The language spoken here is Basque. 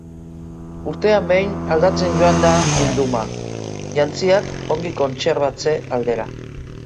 Urtean behin aldatzen joango dira bilduma, jantziak ongi kontserbatze aldera.